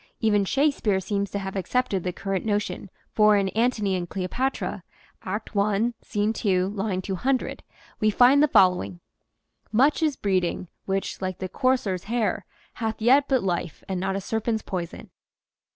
Even Shakespeare seems to have accepted the current notion, for in " Antony and Cleopatra" (Act I, Scene 2, line 200) we find the following: Much is breeding, Which, like the courser's hair, hath yet but life And not a serpent's poison.